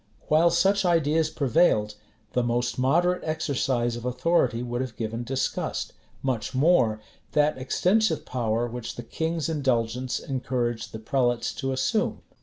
While such ideas prevailed, the most moderate exercise of authority would have given disgust; much more, that extensive power which the king's indulgence encouraged the prelates to assume.